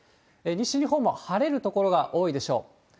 西日本も晴れる所が多いでしょう。